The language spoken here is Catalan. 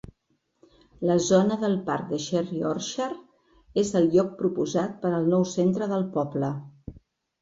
La zona del parc Cherry Orchard és el lloc proposat per al nou centre del poble.